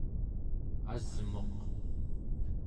asmuq